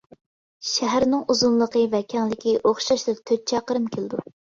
شەھەرنىڭ ئۇزۇنلۇقى ۋە كەڭلىكى ئوخشاشلا تۆت چاقىرىم كېلىدۇ.